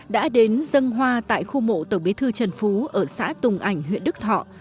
đã đến dân hoa tại khu mộ tổng bí thư trần phú ở xã tùng ảnh huyện đức thọ